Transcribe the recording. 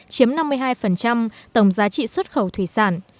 chiếm năm mươi hai tổng giá trị xuất khẩu thủy sản